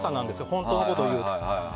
本当のことをいうと。